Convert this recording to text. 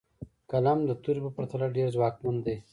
قلم د تورې په پرتله ډېر ځواکمن دی.